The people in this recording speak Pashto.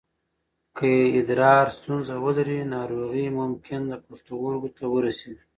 که ادرار ستونزه ولري، ناروغي ممکن د پښتورګو ته ورسېږي.